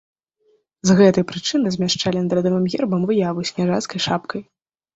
З гэтай прычыны змяшчалі над радавым гербам выяву з княжацкай шапкай.